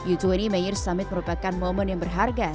u dua puluh mayor summit merupakan momen yang berharga